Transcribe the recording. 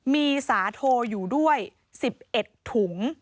มีสาโทอยู่ด้วย๑๑ถุง